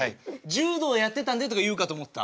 柔道やってたんでとか言うかと思った。